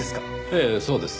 ええそうです。